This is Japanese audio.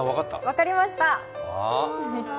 分かりました！